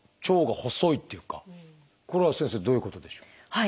これは先生どういうことでしょう？